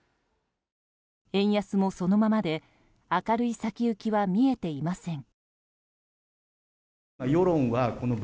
円安もそのままで明るい先行きは見えていません。